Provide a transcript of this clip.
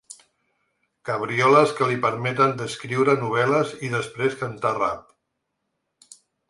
Cabrioles que li permeten d’escriure novel·les i després cantar rap.